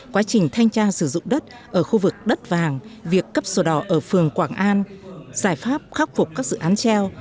quá trình thanh tra sử dụng đất ở khu vực đất vàng việc cấp sổ đỏ ở phường quảng an giải pháp khắc phục các dự án treo